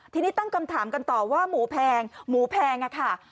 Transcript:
ทีนี้ตั้งคำถามกันต่อว่าหมูแพงหมูแพงค่ะ